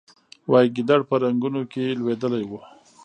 وایي ګیدړ په رنګونو کې لوېدلی و.